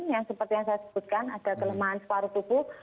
yang seperti yang saya sebutkan ada kelemahan separuh tubuh